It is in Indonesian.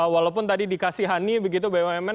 walaupun tadi dikasih hani begitu bumn